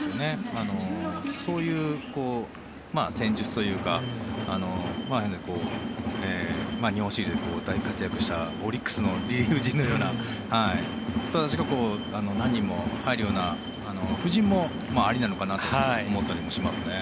そういう戦術というか日本シリーズで活躍したオリックスのリリーフ陣のような人たちが何人も入るような布陣もありなのかなと思ったりもしますね。